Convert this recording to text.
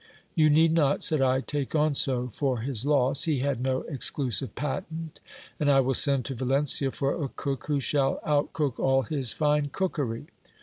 You need not, said I, take on so for his loss : he had no exclusive patent ; and I will send to Valencia for a cook, who shall outcook all his fine cookery.